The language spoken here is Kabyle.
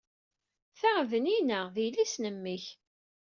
Ta d Nina, d yelli-s n mmi-k.